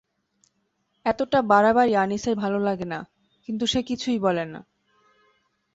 এতটা বাড়াবাড়ি আনিসের ভালো লাগে না, কিন্তু সে কিছুই বলে না।